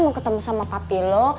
mau ketemu sama papi lo